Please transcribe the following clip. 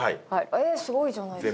えすごいじゃないですか。